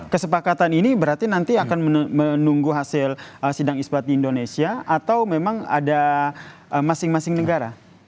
kesepakatan ini berarti nanti akan menunggu hasil sidang isbat di indonesia atau memang ada masing masing negara